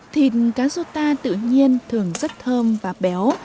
thịt cá rô ta tự nhiên thường rất thơm và béo